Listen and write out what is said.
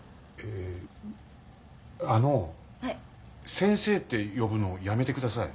先生って呼ぶのやめてください。